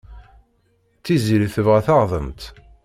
Tiziri tebɣa taɣdemt.